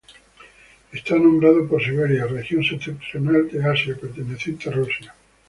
Está nombrado por Siberia, región septentrional de Asia perteneciente a Rusia.